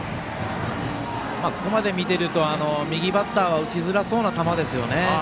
ここまで見ていると右バッターは打ちづらそうな球ですよね。